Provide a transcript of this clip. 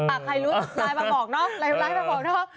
ใครรู้ไลน์มาบอกเนอะไลน์มาบอกเนาะ